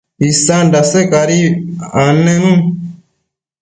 isan dase cadi annenun